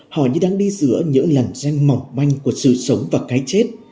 có nhiều lần danh mỏng manh của sự sống và cái chết